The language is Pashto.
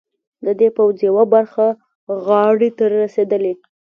د دې پوځ یوه برخه غاړې ته رسېدلي.